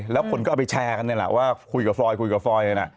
แล้วคนก็ไปแชร์กันเนี่ยแหละว่า